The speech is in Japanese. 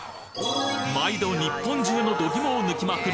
毎度日本中の度肝を抜きまくる